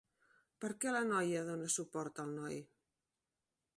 Per què la noia dona suport al noi?